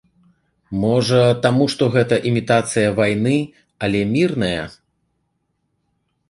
Можа, таму што гэта імітацыя вайны, але мірная?